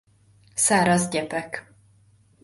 Száraz gyepek.